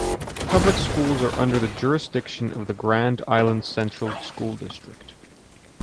Public schools are under the jurisdiction of the Grand Island Central School District.